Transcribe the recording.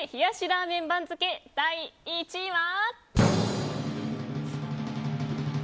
ラーメン番付第１位は。